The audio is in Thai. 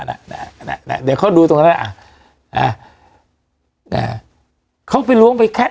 น่ะนะเดี๋ยวเขาดูตรงนั้นอ่ะอ่าเขาไปล้วงไปแคท